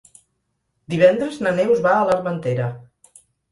Divendres na Neus va a l'Armentera.